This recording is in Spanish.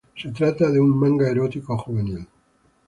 Se trata de un manga erótico juvenil.